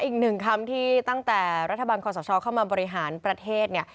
อีกหนึ่งคำที่ตั้งแต่รัฐบาลคอสชเข้ามาบริหารประเทศเนี่ย